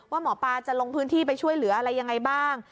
หมอปลาจะลงพื้นที่ไปช่วยเหลืออะไรยังไงบ้าง